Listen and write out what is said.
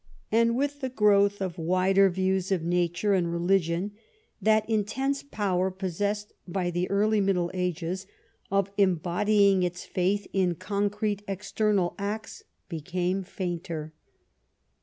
And with the growth of wider views of nature and religion that intense power possessed by the early Middle Ages of embodying its faith in concrete external acts became fainter.